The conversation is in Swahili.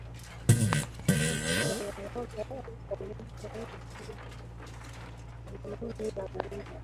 sheria ya mwaka elfumoja mianane themanini na mbili